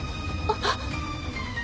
あっ！